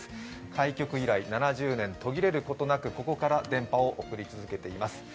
開局以来、７０年、途切れることなくここから電波を送り続けています。